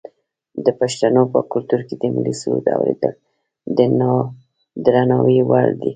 د پښتنو په کلتور کې د ملي سرود اوریدل د درناوي وړ دي.